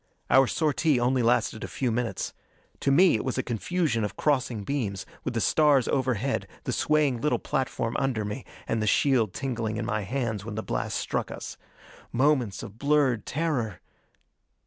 Our sortie only lasted a few minutes. To me, it was a confusion of crossing beams, with the stars overhead, the swaying little platform under me, and the shield tingling in my hands when the blasts struck us. Moments of blurred terror....